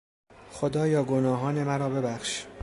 خدایا گناهان مرا ببخش!